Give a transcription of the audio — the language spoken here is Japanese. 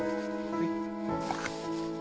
はい。